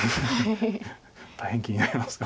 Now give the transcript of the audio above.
大変気になりますが。